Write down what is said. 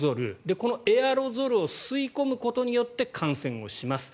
このエアロゾルを吸い込むことによって感染をします。